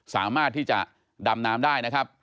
สามารถที่จะดำน้ำได้นะครับ